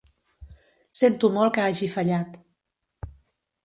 Sento molt que hagi fallat.